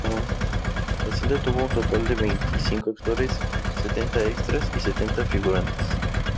La cinta tuvo un total de veinticinco actores, sesenta extras y setenta figurantes.